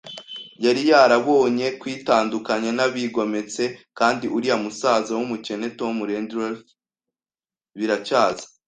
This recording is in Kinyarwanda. yari yarabonye kwitandukanya nabigometse kandi uriya musaza w'umukene Tom Redruth, biracyaza